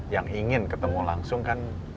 yang ingin ketemu langsung kan